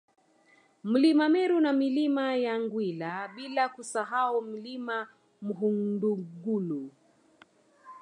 Mlima Meru na Milima ya Mgwila bila kusahau Mlima Mhundugulu